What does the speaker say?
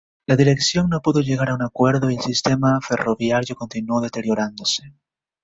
La dirección no pudo llegar a un acuerdo y el sistema ferroviario continuó deteriorándose.